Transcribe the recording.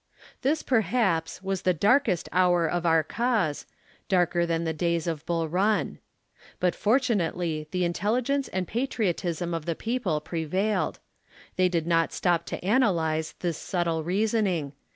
This, perhaps, was the darkest hour of our cause, darker than the days of Bull liun. But fortunately the intelli gence and patriotism of the people prevailed. They did not stop to analyze this subtle reasoning.